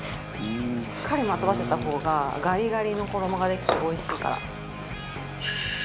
しっかりまとわせた方がガリガリの衣ができておいしいから。